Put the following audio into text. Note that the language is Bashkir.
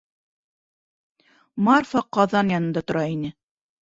Марфа ҡаҙан янында тора ине.